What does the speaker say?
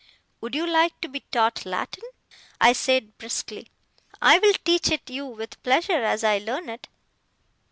'Would you like to be taught Latin?' I said briskly. 'I will teach it you with pleasure, as I learn it.